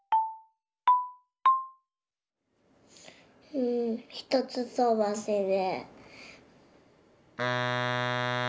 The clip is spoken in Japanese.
うん１つとばしで。